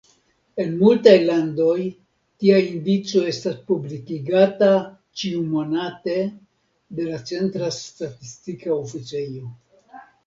En multaj landoj, tia indico estas publikigata ĉiumonate de la centra statistika oficejo.